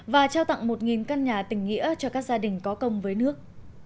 và trao tặng một căn nhà tình nghĩa cho các gia đình có công với nước